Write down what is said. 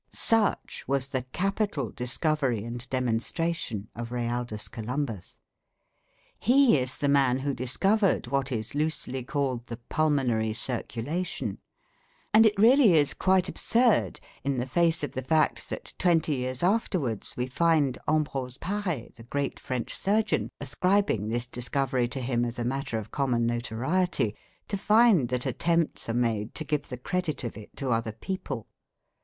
Such was the capital discovery and demonstration of Realdus Columbus. He is the man who discovered what is loosely called the 'pulmonary circulation'; and it really is quite absurd, in the face of the fact, that twenty years afterwards we find Ambrose Pare, the great French surgeon, ascribing this discovery to him as a matter of common notoriety, to find that attempts are made to give the credit of it to other people.